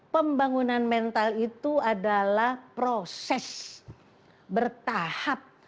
pembangunan mental itu adalah proses bertahap